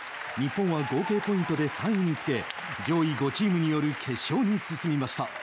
日本は合計ポイントで３位につけ上位５チームによる決勝に進みました。